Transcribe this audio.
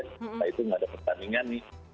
setelah itu nggak ada pertandingan nih